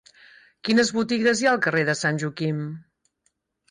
Quines botigues hi ha al carrer de Sant Joaquim?